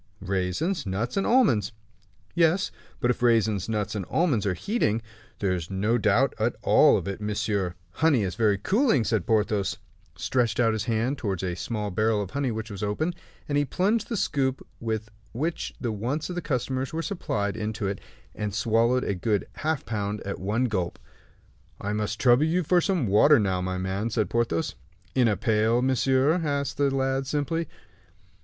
"Raisins, nuts, and almonds." "Yes; but if raisins, nuts, and almonds are heating " "There is no doubt at all of it, monsieur." "Honey is very cooling," said Porthos, stretching out his hand toward a small barrel of honey which was open, and he plunged the scoop with which the wants of the customers were supplied into it, and swallowed a good half pound at one gulp. "I must trouble you for some water now, my man," said Porthos. "In a pail, monsieur?" asked the lad, simply.